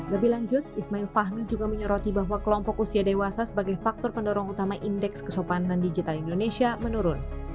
lebih lanjut ismail fahmi juga menyoroti bahwa kelompok usia dewasa sebagai faktor pendorong utama indeks kesopanan digital indonesia menurun